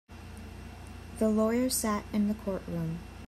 The lawyer sat in the courtroom.